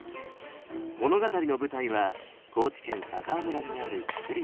物語の舞台は高知県佐川村にある造り